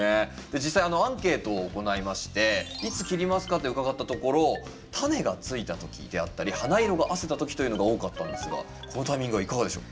実際アンケートを行いまして「いつ切りますか？」って伺ったところ「種がついたとき」であったり「花色があせたとき」というのが多かったんですがこのタイミングはいかがでしょう？